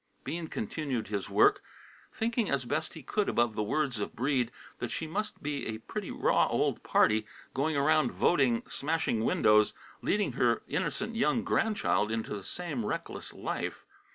Bean continued his work, thinking as best he could above the words of Breede, that she must be a pretty raw old party, going around, voting, smashing windows, leading her innocent young grandchild into the same reckless life.